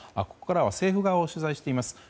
ここからは政府側を取材しています。